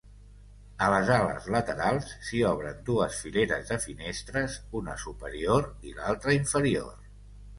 A les ales laterals s'hi obren dues fileres de finestres, una superior i l'altra inferior.